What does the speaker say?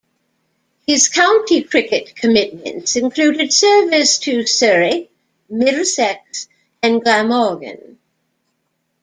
His county cricket commitments included service to Surrey, Middlesex and Glamorgan.